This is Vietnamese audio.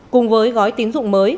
cùng với gói tín dụng mới